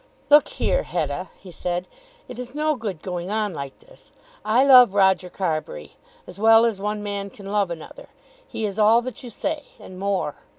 "Look here, Hetta," he said. "It is no good going on like this. I love Roger Carbury, as well as one man can love another. He is all that you say, and more.